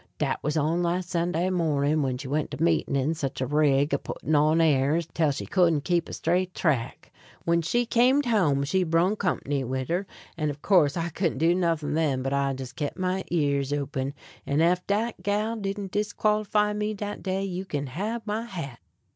Dat was on last Sunday mornin', when she went to meetin' in sich a rig, a puttin' on airs, tell she couldn't keep a straight track. When she camed home she brung kumpny wid her, and, ob course, I couldn't do nuthin' then; but I jes' kept my ears open, an' ef dat gal didn't disquollify me dat day, you ken hab my hat.